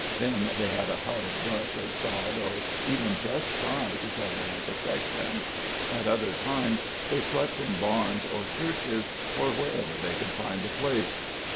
Then they had a hut of brush or sod or even just sky to cover and protect them. At other times they slept in barns or churches, or where ever they could find a place.